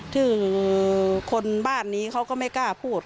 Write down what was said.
คือคนบ้านนี้เขาก็ไม่กล้าพูด